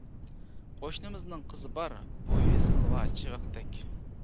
قوشنىمىزنىڭ قىزى بار، بويى زىلۋا چىۋىقتەك.